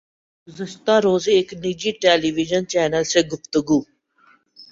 گزشتہ روز ایک نجی ٹیلی وژن چینل سے گفتگو